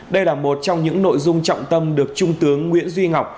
đây là một trong những nội dung trọng tâm được trung tướng nguyễn duy ngọc